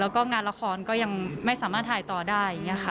แล้วก็งานละครก็ยังไม่สามารถถ่ายต่อได้